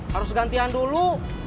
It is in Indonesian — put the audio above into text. harus gantian dulu